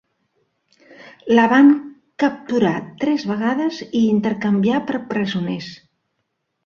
La van capturar tres vegades i intercanviar per presoners.